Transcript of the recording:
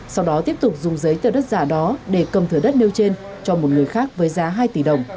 sau đó tiếp tục dùng giấy tờ đất giả đó để cầm thửa đất nêu trên cho một người khác với giá hai tỷ đồng